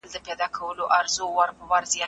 د لاس لیکنه د ذهني روغتیا لپاره هم ګټوره ده.